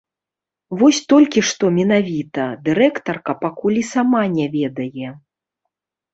Вось толькі што менавіта, дырэктарка пакуль і сама не ведае.